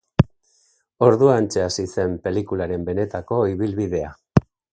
Orduantxe hasi zen pelikularen benetako ibilbidea.